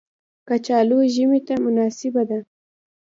کچالو ژمي ته مناسبه ده